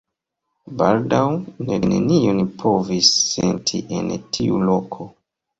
Baldaŭ Ned nenion povis senti en tiu loko.